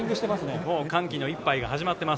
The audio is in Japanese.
歓喜の１杯が始まっています。